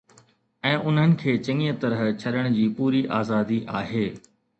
۽ انھن کي چڱيءَ طرح ڇڏڻ جي پوري آزادي آھي